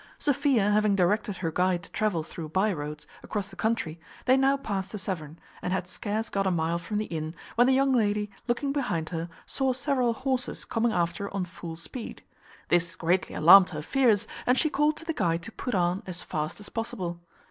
Sophia having directed her guide to travel through bye roads, across the country, they now passed the Severn, and had scarce got a mile from the inn, when the young lady, looking behind her, saw several horses coming after on full speed. This greatly alarmed her fears, and she called to the guide to put on as fast as possible.